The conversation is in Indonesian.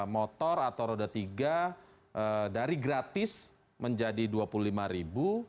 motor atau roda tiga dari gratis menjadi dua puluh lima ribu